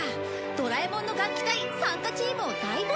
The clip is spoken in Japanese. ドラえもんの楽器隊参加チームを大募集！